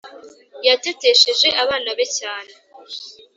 yatetesheje abana be cyane